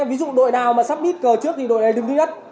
ví dụ đội nào mà xác mít cờ trước thì đội này đứng thứ nhất